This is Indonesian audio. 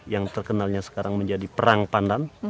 yang terkenalnya sekarang menjadi perang pandan